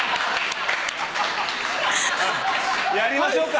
やりましょうか。